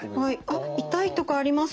あっ痛いとこあります